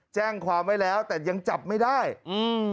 แจ้งความไว้แล้วแต่ยังจับไม่ได้อืม